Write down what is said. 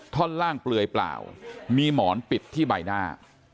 ท่อนล่างเปลือยเปล่ามีหมอนปิดที่ใบหน้า